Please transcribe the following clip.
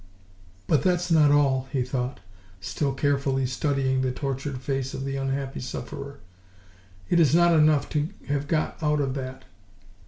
"But that's not all," he thought, still carefully studying the tortured face of the unhappy sufferer; "it is not enough to have got out of that.